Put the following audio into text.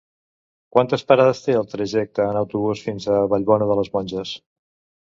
Quantes parades té el trajecte en autobús fins a Vallbona de les Monges?